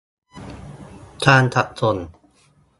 การจัดส่ง